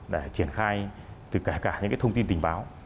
để triển khai từ cả những cái thông tin tình báo